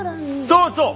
そうそう！